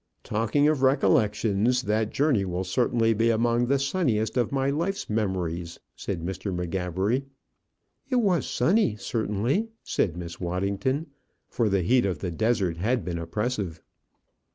"Talking of recollections, that journey will certainly be among the sunniest of my life's memories," said Mr. M'Gabbery. "It was sunny, certainly," said Miss Waddington; for the heat of the desert had been oppressive.